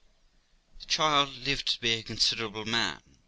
The child lived to be a considerable man.